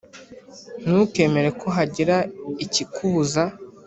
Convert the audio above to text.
Ntukemere ko hagira ikikubuza